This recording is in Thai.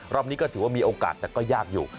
รอบนี้ก็ถือว่ามีโอกาสแต่ก็ยากอยู่